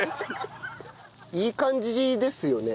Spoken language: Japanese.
いい感じですよね。